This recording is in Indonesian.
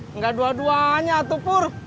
enggak dua duanya tuh pur